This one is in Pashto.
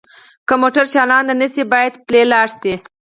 که موټر چالان نه شي باید پلی لاړ شئ